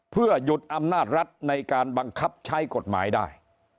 เพื่อหยุดอำนาจรัฐในการบังคับใช้กฎหมายได้